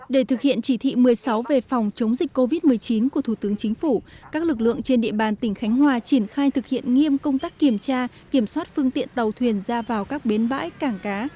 để thực hiện chỉ thị một mươi sáu về phòng chống dịch covid một mươi chín của thủ tướng chính phủ các lực lượng trên địa bàn tỉnh khánh hòa triển khai thực hiện nghiêm công tác kiểm tra kiểm soát phương tiện tàu thuyền ra vào các bến bãi cảng cá